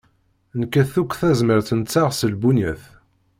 Nekkat akk tazmert-nteɣ s lbunyat.